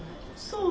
そう。